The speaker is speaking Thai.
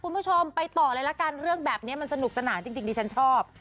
คุณผู้ชมไปต่อเลยละกันเรื่องแบบนี้มันสนุกสนานจริงดิฉันชอบ